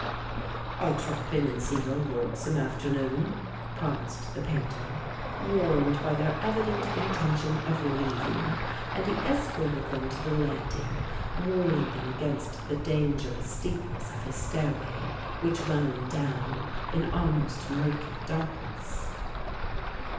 "I'll drop in and see your work some afternoon," promised the Painter, warmed by their evident intention of leaving; and he escorted them to the landing, warning them against the dangerous steepness of his stairway, which wound down in almost murky darkness.